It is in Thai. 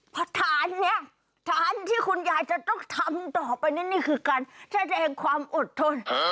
เพราะฐานเนี่ยฐานที่คุณยายจะต้องทำต่อไปนี่คือการแสดงความอดทน